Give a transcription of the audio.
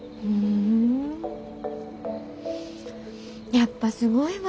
やっぱすごいわ。